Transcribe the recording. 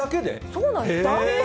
そうなんです。